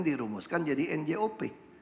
dirumuskan jadi njop